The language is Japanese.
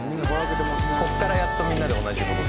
「ここからやっとみんなで同じ事を」